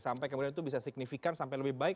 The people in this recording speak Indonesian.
sampai kemudian itu bisa signifikan sampai lebih baik